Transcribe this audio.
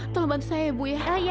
tolong bantu saya ya ibu